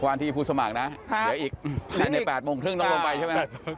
วาดที่พุทธสมัครนะเดี๋ยวอีก๘โมงครึ่งต้องลงไปใช่ไหมครับ